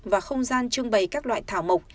và không gian trưng bày các loại thảo mộc